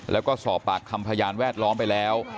แล้วก็สอบปากคำพยานแวดล้อมไปแล้ว